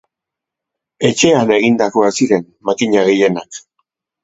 Etxean egindakoak ziren makina gehienak.